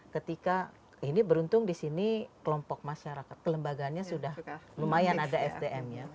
ketika ini beruntung di sini kelompok masyarakat kelembagaannya sudah lumayan ada sdm ya